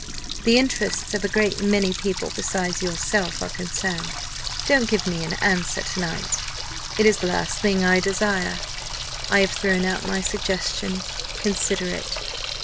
The interests of a great many people, besides yourself, are concerned. Don't give me an answer to night; it is the last thing I desire. I have thrown out my suggestion. Consider it.